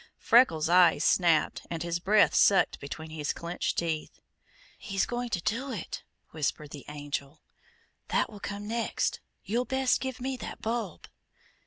Freckles' eyes snapped and his breath sucked between his clenched teeth. "He's going to do it!" whispered the Angel. "That will come next. You'll best give me that bulb!"